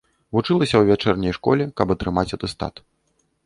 Вучылася ў вячэрняй школе, каб атрымаць атэстат.